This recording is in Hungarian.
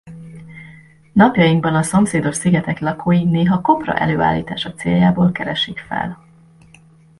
Napjainkban a szomszédos szigetek lakói néha kopra előállítása céljából keresik fel.